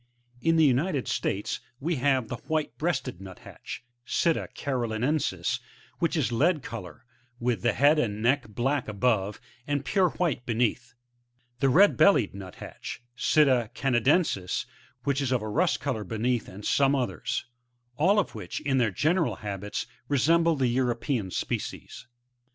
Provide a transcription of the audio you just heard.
3. [In the United States we have the White breasted Nuthatch^ — SUta caroiinensiSf — which is lead colour, with the head and neck black above, and pure white beneath; the Red bellied Nuthatch, — Sitta canadensis, — which is of a rust colour be neath, and some others ; all of which, in their general habits, resemble the European species.